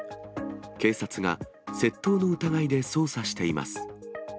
警察が窃盗の疑いで捜査しています。